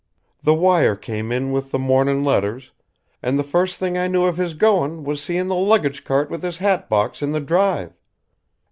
The wire came in with the mornin' letters, and the first thing I knew of his goin' was seein' the luggage cart with his hat box in the drive.